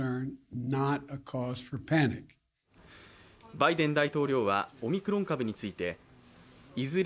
バイデン大統領は、オミクロン株についていずれ